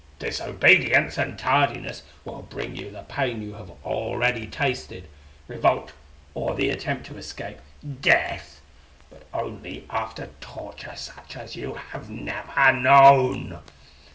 Disobedience and tardiness will bring you the pain you have already tasted; revolt, or the attempt to escape death; but only after torture such as you have never known.